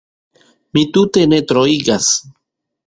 Mi tute ne troigas.